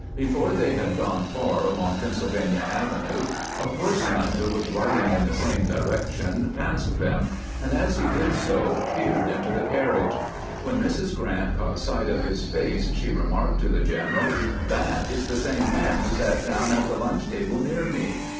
Before they had gone far along Pennsylvania Avenue, a horseman who was riding in the same direc tion passed them, and as he did so peered into the carriage. When Mrs. Grant caught sight of his face she remarked to the general :" That is the same man JOHN WILKES BOOTH SHADOWS GRANT 499 ■who sat down at the lunch table near me.